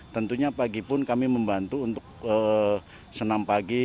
tentunya pagi pun kami membantu untuk senam pagi